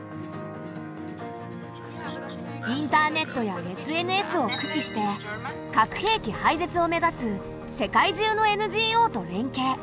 インターネットやＳＮＳを駆使して核兵器廃絶を目指す世界中のＮＧＯと連携。